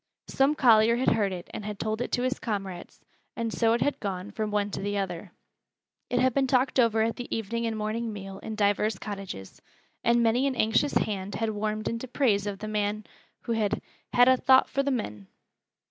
Some collier had heard it and had told it to his comrades, and so it had gone from one to the other. It had been talked over at the evening and morning meal in divers cottages, and many an anxious hand had warmed into praise of the man who had "had a thowt for th' men."